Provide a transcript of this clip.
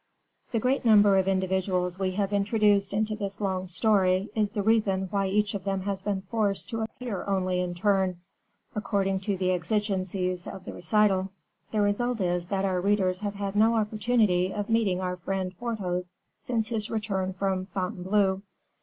The great number of individuals we have introduced into this long story is the reason why each of them has been forced to appear only in turn, according to the exigencies of the recital. The result is, that our readers have had no opportunity of meeting our friend Porthos since his return from Fontainebleau.